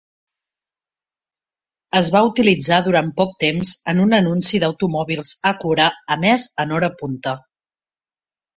Es va utilitzar durant poc temps en un anunci d'automòbils Acura emès en hora punta.